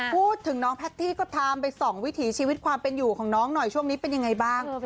พูดถึงน้องแพตตี้ก็ทำไปส่องวิถีชีวิตความเป็นอยู่ของน้องหน่อยช่วงนี้เป็นยังไงบ้าง